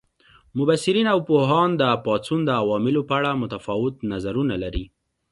مبصرین او پوهان د پاڅون د عواملو په اړه متفاوت نظرونه لري.